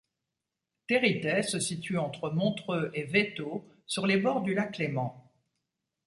Territet se situe entre Montreux et Veytaux, sur les bords du Lac Léman.